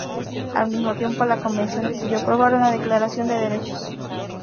Al mismo tiempo, la convención decidió aprobar una declaración de derechos.